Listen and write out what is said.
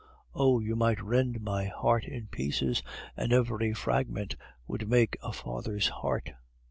Oh! you might rend my heart in pieces, and every fragment would make a father's heart.